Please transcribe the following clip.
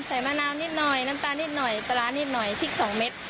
มะนาวนิดหน่อยน้ำตาลนิดหน่อยปลาร้านิดหน่อยพริกสองเม็ด